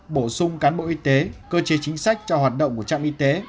bổ sung cán bộ y tế cơ chế chính sách cho hoạt động của trạm y tế